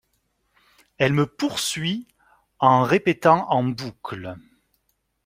Elle me poursuit en en répétant en boucle.